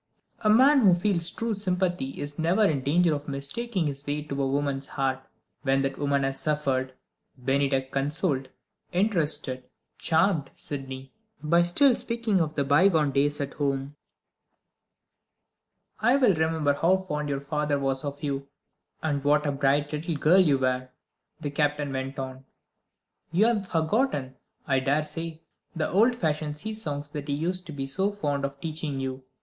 A man who feels true sympathy is never in danger of mistaking his way to a woman's heart, when that woman has suffered. Bennydeck consoled, interested, charmed Sydney, by still speaking of the bygone days at home. "I well remember how fond your father was of you, and what a bright little girl you were," the Captain went on. "You have forgotten, I dare say, the old fashioned sea songs that he used to be so fond of teaching you.